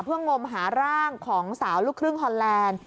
เพื่องมหาร่างของสาวลูกครึ่งฮอนแลนด์